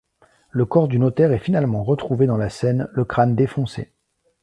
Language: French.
Le corps du notaire est finalement retrouvé dans la Seine, le crâne défoncé.